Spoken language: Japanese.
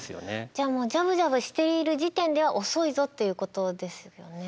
じゃあもうジャブジャブしている時点では遅いぞっていうことですよね。